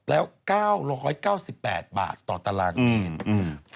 แล้ว๙๙๘บาทต่อตารางเมตร